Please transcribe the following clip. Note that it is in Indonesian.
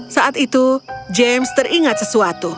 saat itu james teringat sesuatu